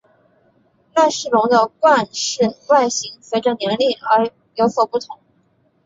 赖氏龙的冠饰外形随者年龄而有所不同。